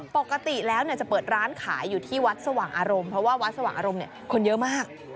ปกติแล้วจะเปิดร้านขายอยู่ที่วัดสว่างอารมณ์เพราะว่าวัดสว่างอารมณ์คนเยอะมาก